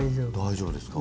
大丈夫ですか。